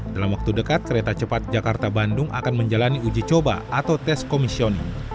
dalam waktu dekat kereta cepat jakarta bandung akan menjalani uji coba atau tes komisioning